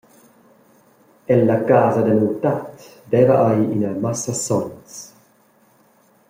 Ella casa da miu tat deva ei ina massa sogns.